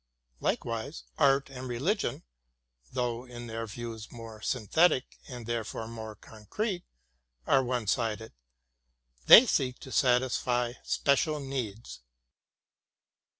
Likewise, art and religion, though in their views more synthetic and therefore more concrete, are one sided ; they seek to satisfy special needs.